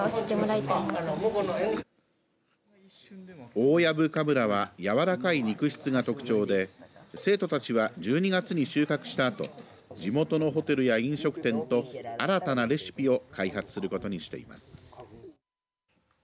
大藪かぶらはやわらかい肉質が特徴で生徒たちは１２月に収穫したあと地元のホテルや飲食店と新たなレシピを開発することにしています。